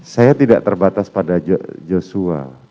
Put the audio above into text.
saya tidak terbatas pada joshua